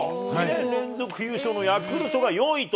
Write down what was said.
連続優勝のヤクルトが４位と。